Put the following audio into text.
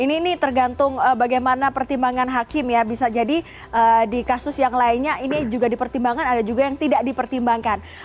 ini tergantung bagaimana pertimbangan hakim ya bisa jadi di kasus yang lainnya ini juga dipertimbangkan ada juga yang tidak dipertimbangkan